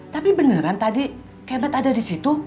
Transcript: tapi beneran tadi kemet ada disitu